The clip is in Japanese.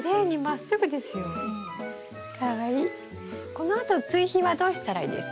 このあと追肥はどうしたらいいですか？